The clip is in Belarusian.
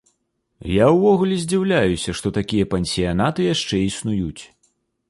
Я ўвогуле здзіўляюся, што такія пансіянаты яшчэ існуюць.